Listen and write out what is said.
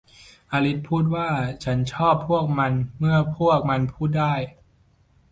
อลิซพูดว่า ฉันชอบพวกมันเมื่อพวกมันพูดได้